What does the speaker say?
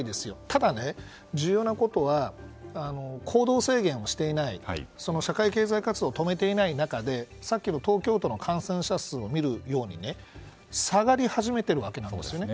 ただ、重要なことは行動制限をしていない社会経済活動を止めていない中でさっきの東京都の感染者数を見るように下がり始めているわけなんですね。